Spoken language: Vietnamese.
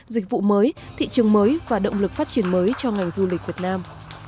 dịch vụ mới thị trường mới và động lực phát triển mới cho ngành du lịch việt nam